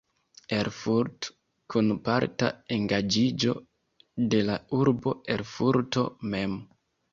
Erfurt" kun parta engaĝiĝo de la urbo Erfurto mem.